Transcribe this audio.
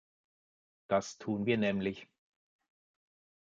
Das tun wir nämlich.